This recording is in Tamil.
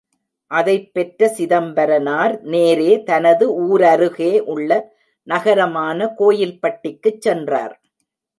அதைப் பெற்ற சிதம்பரனார் நேரே தனது ஊரருகே உள்ள நகரமான கோயில்பட்டிக்குச் சென்றார்.